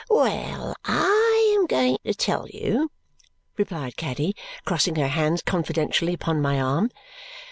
"Well! I am going to tell you," replied Caddy, crossing her hands confidentially upon my arm.